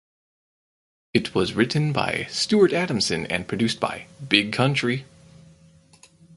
It was written by Stuart Adamson and produced by Big Country.